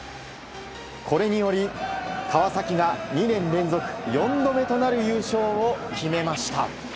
これにより川崎が２年連続４度目となる優勝を決めました。